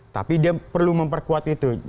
tapi dia perlu memperkuat itu